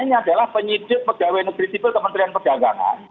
ini adalah penyidik pegawai negeri sipil kementerian perdagangan